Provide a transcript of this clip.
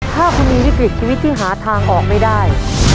ถ้าคุณมีวิกฤตชีวิตที่หาทางออกไม่ได้